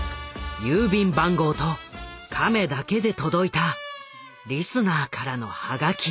郵便番号と「カメ」だけで届いたリスナーからのハガキ。